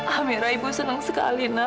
amera ibu senang sekali nak